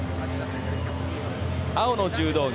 青の柔道着